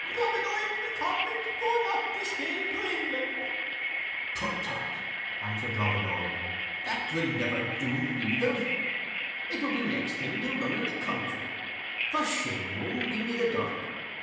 Robin Oig M'Combich, go not this day to England!" "Prutt, trutt," answered Robin Oig, "that will never do neither; it would be next thing to running the country. For shame, muhme, give me the dirk.